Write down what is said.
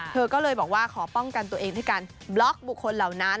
เธอก็เลยบอกว่าขอป้องกันตัวเองด้วยการบล็อกบุคคลเหล่านั้น